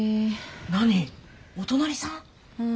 何お隣さん？